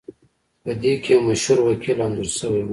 پدې کې یو مشهور وکیل انځور شوی و